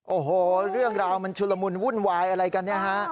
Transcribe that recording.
โอ้โหเรื่องราวมันชุลมุนวุ่นวายอะไรกันเนี่ยฮะ